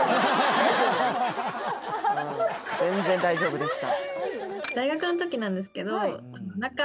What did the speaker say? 全然大丈夫でした